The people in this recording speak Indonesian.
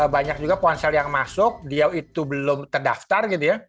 banyak juga ponsel yang masuk dia itu belum terdaftar gitu ya